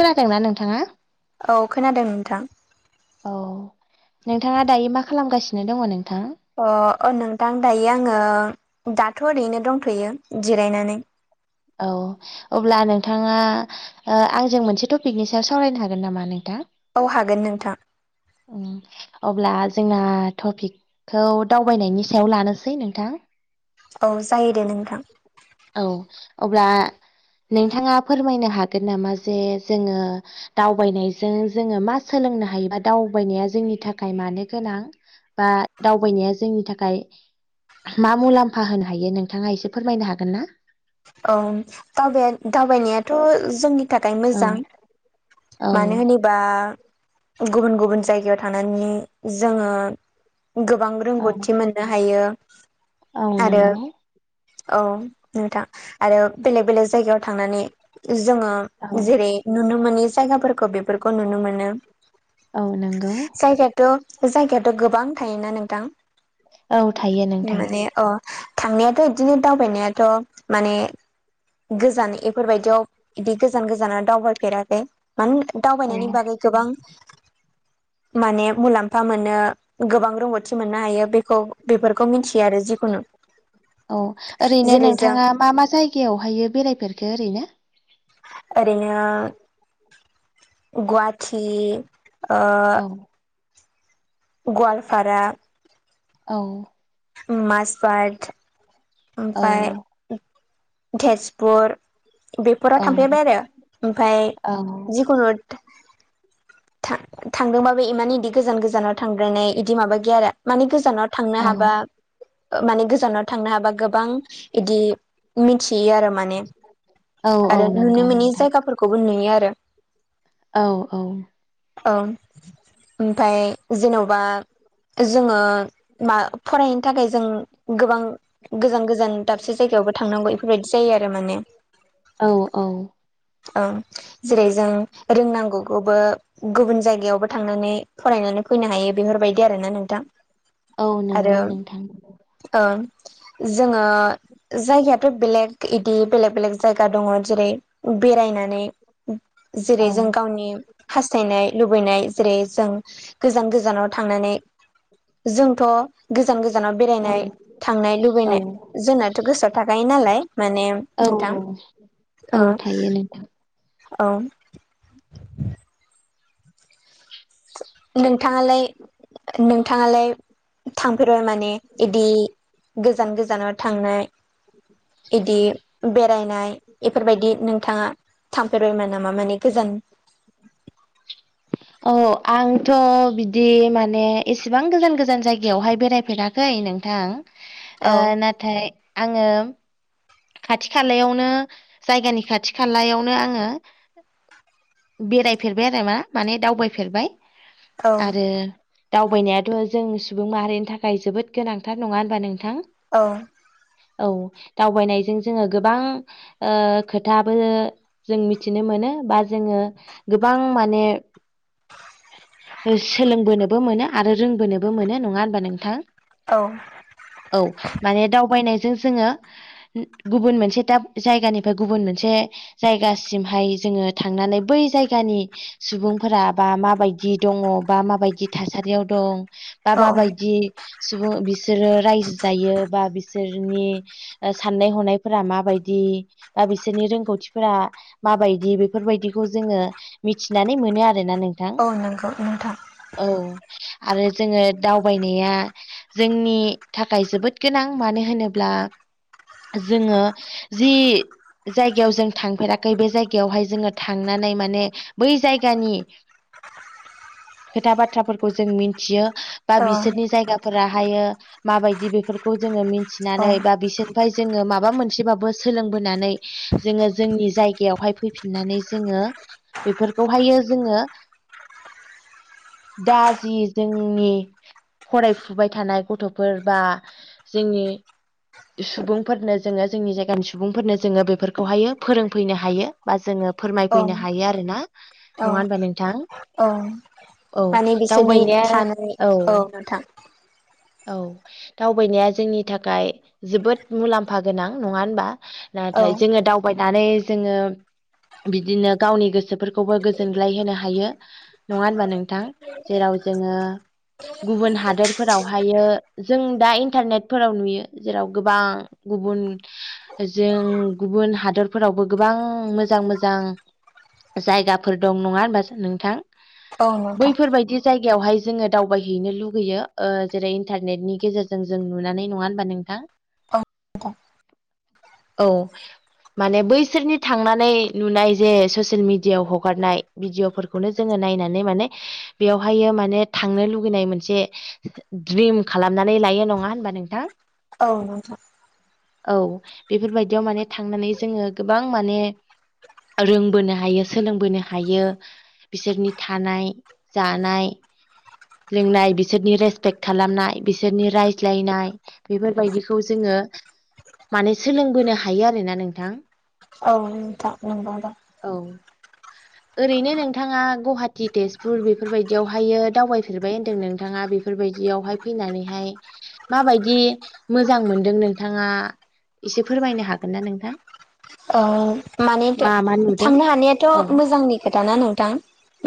खोनादोंना नोंथाङा? औ खोनादों नोंथां। औ नोंथाङा दायो मा खालामगासिनो दङ नोंथां? अ नोंथां दायो आङो दाथ' ओरैनो दंथ'यो जिरायनानै। औ अब्ला नोंथाङा ओ आंजों मोनसे टपिकनि सायाव सावरायनो हागोन नामा नोंथां? औ हागोन नोंथां उम अब्ला जोंना टपिक खौ दावबायनायनि सायाव लानोसै नोंथां औ जायो दे नोंथां औ अब्ला नोंथाङा फोरमायनो हागोन नामा जे जोङो दावबायनायजों जोङो मा सोलोंनो हायो बा दावबायनाया जोंनि थाखाय मानो गोनां बा दावबायनाया जोंनि थाखाय मा मुलाम्फा होनो हायो नोंथाङा एसे फोरमायनो हागोन ना? औ दावबाय दावबायनायाथ' जोंनि थाखाय मोजां औ औ मानो होनो बा गुबुन गुबुन जायगायाव थांनानै जोङो गोबां औ रोंगौथि मोननो हायो औ आरो नंगौ औ नोंथां आरो बेलेग बेलेग जायगायाव थांनानै जोङो औ जेरै नुनो मोनि जायगाफोरखौ बेफोरखौ नुनो मोनो। औ नंगौ जायगायाथ' जायगायाथ' गोबां थायोना नोंथां औ थायो नोंथां माने अ थांनायाथ' बिदिनो दावबायनायाथ' माने गोजान इफोरबायदियाव बिदि गोजान गोजानाव दावबायफेराखै मानो औ दावबायनायनि बागै गोबां माने मुलाम्फा मोनो गोबां रोंगौथि मोननो हायो बेखौ बेफोरखौ मिथियो आरो जिखुनु औ ओरैनो जेरै जों नोंथाङा मा मा जायगायावहायो बेरायफेरखो ओरैनो? ओरैनो गुवाहाथि ओ औ गवालपारा औ माजबाद औ ओमफ्राय तेजपुर बेफोराव औ थांफेरबाय आरो ओमफ्राय औ जिखुनु थां थांदोंबाबो इमान इदि गोजान गोजानाव थांद्रायनाय इदि माबा गैया आरो मानि गोजानाव थांनो औ हाबा माने गोजानाव थांनो हाबा गोबां इदि मिथियो आरो माने औ औ आरो नंगौ नुनो मोनि नोंथां जायगाफोरखौबो नुयो आरो औ औ औ ओमफ्राय जेनेबा जोङो मा फरायनो थाखाय जों गोबां गोजान गोजान गोजान दाबसे जायगायावबो थांनांगौ बेफोरबायदि जायो आरो माने औ औ औ जेरै जों रोंनांगौ खौबो गुबुन जायगायावबो थांनानै फरायनानै फैनो हायो बेफोर बायदि आरो ना नोंथां औ आरो नोंगौ नोंथां ओं जोंङो जायगायाथ बेलेग इदि बेलेग बेलेग जायगा दंङ जेरै बेरायनानै जेरै औ जों गावनि हास्थायनाय लुबैनाय जेरै जों गोजान गोज जानाव थांनानै जोंथ गोजान गोजानाव औ बेरायनाय थांनाय औ लुबैनाय जोंनाथ गोसोआव थाखायो नालाय माने औ नोंथां औ थायो नोंथां औ नोंथांङालाय नोंथांङालाय थांफेरबाय माने इदि गोजान गोजानाव थांनाय इदि बेरायनाय बेफोरबायदि नोंथांङा थांफेरबायमोन नामा माने गोजान औ आंथ बिदि माने एसेबां गोजान गोजान जायगायावहाय बेराय फेराख खै नोंथां औ ओ नाथाय आंङो खाथि खालायावनो जायगानि खाथि खालायावनो आंङो बेराय फेरबाय आरो मा माने दावबाय फेरबाय औ आरो दावबायनायाथ जों सुबुं माहारिनि थाखाय जोबोद गोनांथार नङा होनबा नोंथां औ औ दावबायनाय जों जोंङो गोबां ओ खोथाबो जों मिथिनो मोनो बा जोंङो गोबां माने सोलोंबोनोबो मोनो आरो रोंबोनोबो मोनो नङा होनबा नोंथां औ औ माने दावबायनायजों जोंङो गुबुन मोनसे दाब जायगानिफ्राय गुबुन मोनसे जायगासिमहाय जोंङो थांनानै बै जायगानि सुबुंफोरा बा माबायदि दंङ बा माबायदि थासारियाव दं बा औ माबायदि सुबुं बिसोरो रायजो जायो बा बिसोरनि ओ साननाय हनायफोरा माबायदि बा बिसोरनि रोंगौथिफोरा माबायदि बेफोरबायदिखौ जोंङो मिथिनानै मोनो आरोना नोंथां औ नंगौ नोंथां। औ आरो जोङो दावबायनाया जोंनि थाखाय जोबोद गोनां मानो होनोब्ला जोंङो जि जायगायाव जों थांफेराखै बे जायगायावहाय जोङो थांनानै माने बै जायगानि खोथा बाथ्राफोरखौ जों मिथियो। बा औ बिसोरनि जायगाफोराहायो माबायदि बेफोरखौ जोङो औ मिथिनानै बा बिसोर ओमफ्राय जोङो माबा मोनसेबाबो सोलोंबोनानै जोंङो जोंनि जायगायावहाय फैफिननानै जोङो बेफोरखौहायो जोंङो दा जि जोंनि फरायफुबाय थानाय गथफोर बा जोंनि सुबुंफोरनो जोंङो जोंनि जायगानि सुबुंफोरनो जोंङो बेफोरखौहायो फोरोंफैनो हायो बा जोंङो औ फोरमायफैनो हायो आरोना औ नंङा होनबा नोंथां औ औ माने बिसोरनि दावबायनाया थानाय औ नोंथां औ दावबायनाया जोंनि थाखाय जोबोद मुलाम्फा गोनां नंङा होनबा? औ नाथाय जोंङो दावबायनानै जोङो बिदिनो गावनि गोसोफोरखौबो गोजोनग्लाय होनो हायो। नङा होनबा नोंथां जेराव जोङो गुबुन हादोरफोरावहायो जों दा इन्टारनेटफोराव नुयो। जेराव गोबां गुबुन जों गुबुन हादरफोरावबो गोबां मोजां मोजां जायगाफोर दं नङा होमबा नोंथां औ नोंथां बैफोरबायदि जायगायावहाय जोङो दावबायहैनो लुगैयो ओ जेरै इन्टारनेटनि गेजेरजों जों नुनानै नङा होनोमबा नों औ [unintelligible] औ माने बैसोरनि थांनानै नुनाय जे ससियेल मिडियाआव हगारनाय भिडिअ'फोरखौनो जोङो नायनानै माने बेवहायो माने थांनो लुुबैनाय मोनसे द्रिम खालामनानै लायो नङा होनबा नोंथां? औ नोंथां। औ बेफोरबायदियाव माने थांनानै जोङो गोबां माने रोंबोनो हायो सोलोंबोनो हायो। बिसोरनि थानाय जानाय लोंनाय बिसोरनि रेसपेक्ट खालामनाय बिसोरनि रायज्लायनाय बेफोरबायदिखौ जोङो माने सोलोंबोनो हायो आरोना नोंथां। औ नोंथा नोंगौदा। औ ओरैनो नोंथाङा गुहाटि तेजपुर बेफोरबायदियावहायो दावबायफेरबाय होन्दों नोंथाङा बे बेफोरबायदियावहाय फैनानैहाय माबायदि मोजां मोनदों नोंथाङा एसे फोरमायनो हागोन ना नोंथां? अ मानेथ' मा मा नुदों थांनो औ हानायाथ' मोजांनि खोथाना नोंथां।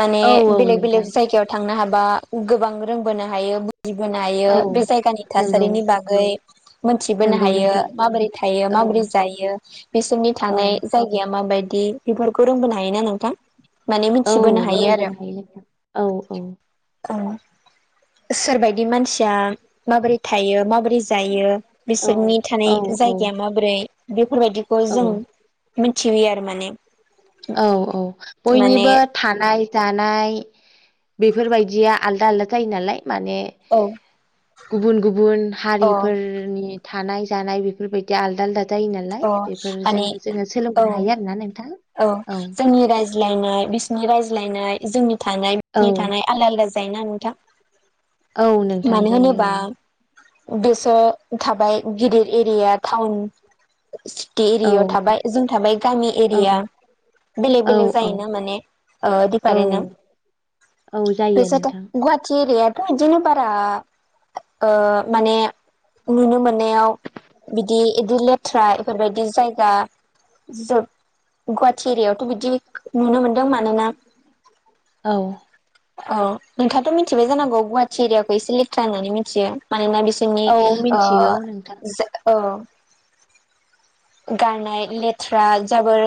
माने औ औ बेलेग नोंथां बेलेग जायगायाव थांनो हाबा गोबां रोंबोनो हायो। गिबोनायो औ बे जायगानि नंगौ थासारिनि बागै। मोनथिबोनो नंगौ हायो नोंथां माबोरै थायो औ माबोरै जायो बिसोरनि औ नाय जायगाया मााबायदि बेफोरखौ रोंबोनो हायोना नोंथां। माने औ मिथिबोनो हायो आरो। रोंबोनो नोंथां औ औ ओं सोरबायदि मानसिया माबोरै थायो माबोरै जायो औ बिसोरनि औ थानाय औ जायगाया माबोरै बेफोरबायदिखौ औ जों मिनथिहोयो आरो माने। औ औ बयनिबो माने थानाय जानाय बेफोरबायदिया आलदा आलदा जायो नालाय माने औ गुबुन गुबुन अ हारिफोरनि थानाय जानाय बेफोरबायदि बि आलदा आलदा जायो अ नालाय माने बेफोरजों जोङो औ सोलोंबोनो हायो आरोना नोंथां औ जोंनि रायज्लायनाय बिसिनि रायज्लायनाय जोंनि थानाय औ बिनि थानाय आलदा आलदा जायोना नोंथां औ नोंथां मानो जायो होनोबा बेसो थाबाय गिदिर एरिया टाउन सिटि औ एरियाव थाबाय जों थाबाय गामि औ एरिया या बेलेक औ बेलेक औ जायोना माने औ फारेन्ट औ जायो बेसेथ' नोंथां गुहाटि एरियाथ'दिनो बारा ओ माने नुनो मोननायाव बिदि इदि लेथ्रा बेफोरबायदि जायगा [unintelligible] गुवाहाटि एरिआवथ' बिदि नुनो मोन्दों मानोना औ औ नोंथाङाथ' मिथिबाय जानांगौ गुवाहाटि एरियाखौ इसे लेथ्रा होननानै मिथियो मानोना बिसोर जोंनि औ ओ मिथिगौ नोंथां [unintelligible] औ गारनाय लेथ्रा जाबोर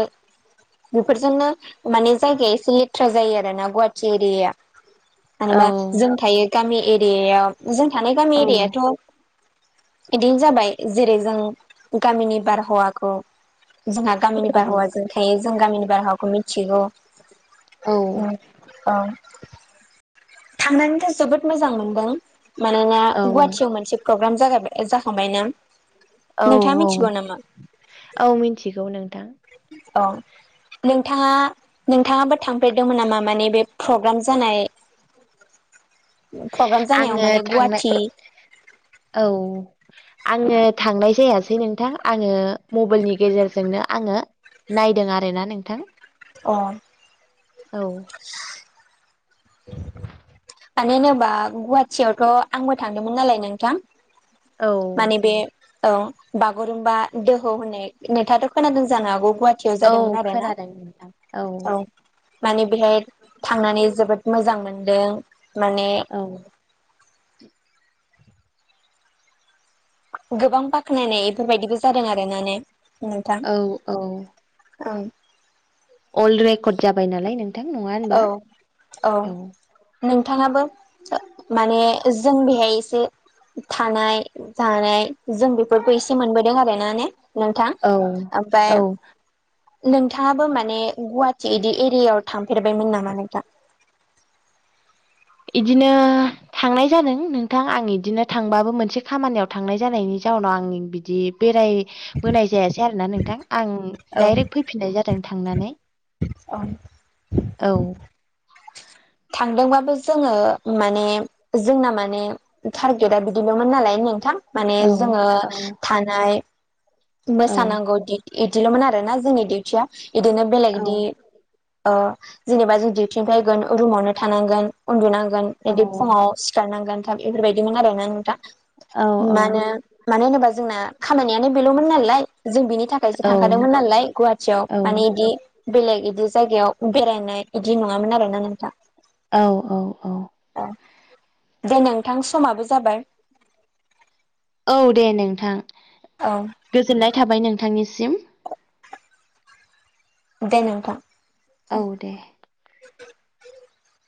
बेफोरजोंनो माने जायगाया एसे ल लेथ्रा जायो आरो ना गुवाहाटि एरियाया मेनबा औ जों थायो गामि एरियायाव जों थानाय गामि औ एरियााथ' बिदिनो जाबाय जेरै जों गामिनि बारहावाखौ जोंहा गामिनि औ बारहावाजों थायो जों गामिनि बारहावाखौ मिथिगौ औ थांनानैथ' जोबोद मोजां मोनदों मानोना औ गुवाहाटियाव मोनसे प्रग्राम जागायबाय जाखांबाय ना औ नोंथाङा औ मिथिगौ नामा औ मिथिगौ नोंथां औ नोंथाङा नोंथाङाबो थांफेरदोंमोन नामा माने बे प्रग्राम जानाय प्रग्राम जानायाव आङो माने थांनाय गुवाहाटी औ आङो थांनाय जायासै नोंथां आङो मबाइलनि गेजेरजोंनो आङो नायदों आरोना नोंथां अ औ [inaudible] बुंथिगिरिनि जेबो खोनानो मोननाय जायाखै मानो होनोबा गुवाहाटोयावथ' आंबो थांदोंमोन नालाय नोंथां औ माने बे बागुरुमबा दोहौ होननाय नोंथांथ' खोनादों जानो हागौ गुवाहाटोयाव औ जादोंमोन आरोना खोनादों नोंथां औ माने बेहाय थांनानै जोबोद मोजां मोनदों माने औ गोबां बाख्नायनाय बेफोरबायदिबो जादों आरोना ने नोंथां औ औ औ अल् रेकर्ड जाबाय नालाय नों औ औ नोंथाङाबो माने जों बेहाय एसे थानाय जानाय जों बेफोरखौ एसे मोनबोदों आरोना ने नोंथां औ ओमफ्राय औ नोंथाङाबो माने गुवाहाटि बिदि एरियायाव थांफेरबायमोन नामा नाथां बिदिनो थांनाय जादों नोंथां आं बिदिनो थांबाबो मोनसे खामानियाव थांनाय जानायनि जाउनाव आं बिदि बेरायबोनाय जायासै आरो ना नोंथां आं औ दडाइरेक्ट फैफिननाय जादों थांनानै ओं औ थांदोंबाबो जोङो माने जोंना माने टारगेटा बिदिल'मोन नालाय नोंथां माने औ जोङो औ थानाय औ मोसानांगौ बिदिल'मोन आरो ना जोंनि डिउथिया बिदिनो औ बेलेगदि जेनेबा जों डिउटिनिफ्राय रुमावनो थानांगोन उन्दुनांगोन औ बिदि फुङाव सिखारनांगोन थाब बेफोरबायदिमोन आरोना नोंथां मा होनो मानो होनोबा जोंना खामानियानो बेल'मोन नालाय जों बिनि थाखाय सो थांखादोंमोन नालाय गुवाहाटियाव माने बिदि बेलेग बिदि जायगायाव बेरायनाय इदि नङामोन आरोना नोंथां औ औ औ दे नोंथां समाबो जाबाय औ दे नोंथां औ गोजोननाय थाबाय नोंथांनिसिम दे नोंथां औ दे